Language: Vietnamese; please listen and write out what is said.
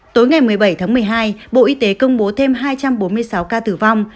tối ngày một mươi bảy tháng một mươi hai bộ y tế công bố thêm hai trăm bốn mươi sáu ca tử vong